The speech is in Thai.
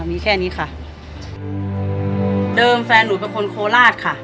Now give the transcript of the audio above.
มีแค่นี้ค่ะเดิมแฟนหนูเป็นคนโคราชค่ะ